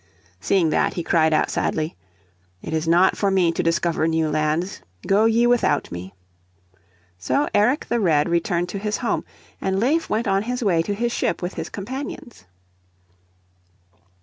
Seeing that he cried out sadly, "It is not for me to discover new lands; go ye without me." So Eric the Red returned to his home, and Leif went on his way to his ship with his companions.